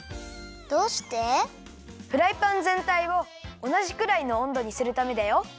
フライパンぜんたいをおなじくらいのおんどにするためだよ。